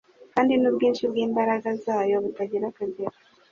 kandi “n’ubwinshi bw’imbaraga zayo butagira akagera